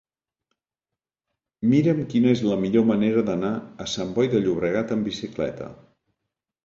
Mira'm quina és la millor manera d'anar a Sant Boi de Llobregat amb bicicleta.